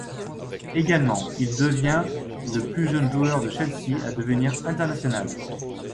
Également, il devient le plus jeune joueur de Chelsea à devenir international.